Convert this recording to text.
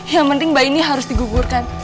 yang penting bayi ini harus digugurkan